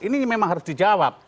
ini memang harus dijawab